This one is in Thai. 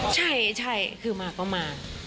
ใช่คือมาก็มา